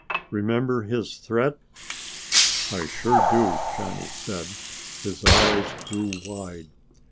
"Remember his threat?" "I sure do!" Johnny said. His eyes grew wide.